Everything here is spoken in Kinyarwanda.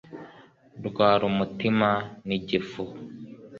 rwara umutima nigifu